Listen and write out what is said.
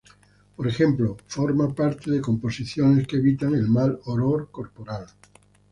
Por ejemplo, forma parte de composiciones que evitan el mal olor corporal.